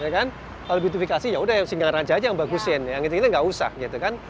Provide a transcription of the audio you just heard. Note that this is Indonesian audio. kalau beautifikasi yaudah singaraja aja yang bagusin yang itu itu nggak usah gitu kan